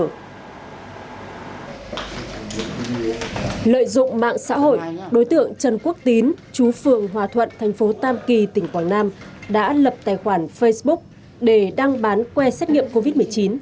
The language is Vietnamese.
lợi dụng mạng xã hội đối tượng trần quốc tín chú phường hòa thuận thành phố tam kỳ tỉnh quảng nam đã lập tài khoản facebook để đăng bán que xét nghiệm covid một mươi chín